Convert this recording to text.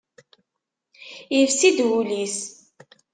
Isfi-d wul-is.